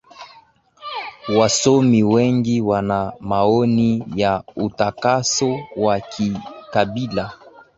wasomi wengi wana maoni ya utakaso wa kikabila